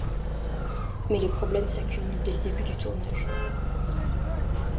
Mais les problèmes s'accumulent dès le début du tournage.